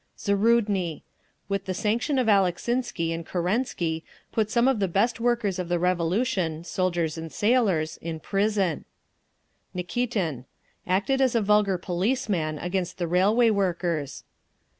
Zarudny: with the sanction of Alexinsky and Kerensky, put some of the best workers of the Revolution, soldiers and sailors, in prison. Nikitin: acted as a vulgar policeman against the Railway Workers.